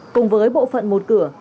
cùng với bộ phận một cửa